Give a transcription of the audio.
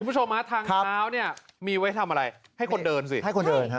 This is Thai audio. คุณผู้ชมฮะทางเท้าเนี่ยมีไว้ทำอะไรให้คนเดินสิให้คนเดินฮะ